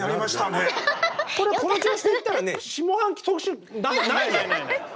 これこの調子でいったらね下半期特集ないよ。